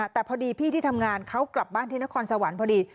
แต่พอดีพี่ที่ทำงานเขากลับบ้านที่นครสวรรค์พอดี